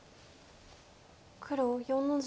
黒４の十。